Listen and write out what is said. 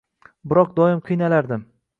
Biroq doim qiynalardim.